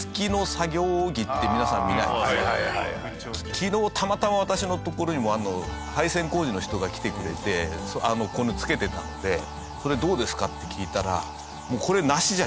昨日たまたま私のところにも配線工事の人が来てくれてこういうのつけてたのでそれどうですか？って聞いたら。